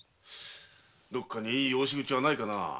どっかにいい養子口はないかなあ？